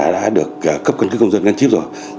đã được cấp căn cước công dân gắn chíp rồi